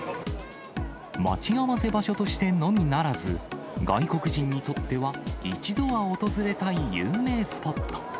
待ち合わせ場所としてのみならず、外国人にとっては、一度は訪れたい有名スポット。